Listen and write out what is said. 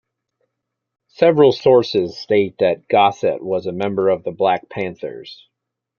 Several sources state that Gossett was a member of the Black Panthers.